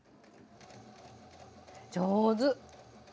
上手。